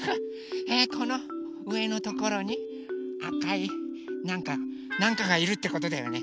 えこのうえのところにあかいなんかなんかがいるってことだよね？